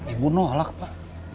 ibu nolak pak